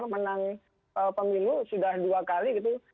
menang pemilu sudah dua kali gitu